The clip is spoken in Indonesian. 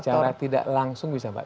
secara tidak langsung bisa pak